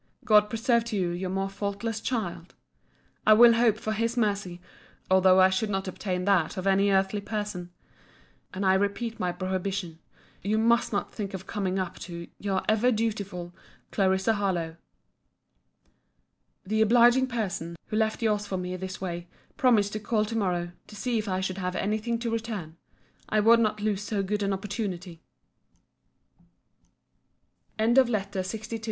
God preserve to you your more faultless child! I will hope for His mercy, although I should not obtain that of any earthly person. And I repeat my prohibition:—You must not think of coming up to Your ever dutiful CL. HARLOWE. The obliging person, who left your's for me this day, promised to call to morrow, to see if I should have any thing to return. I would not lose so good an opportunity. LETTER LXIII MRS.